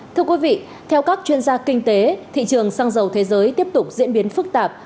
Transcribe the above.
thưa quý vị theo các chuyên gia kinh tế thị trường xăng dầu thế giới tiếp tục diễn biến phức tạp